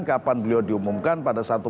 kapan beliau diumumkan pada satu